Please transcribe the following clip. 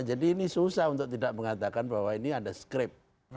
jadi ini susah untuk tidak mengatakan bahwa ini ada skrip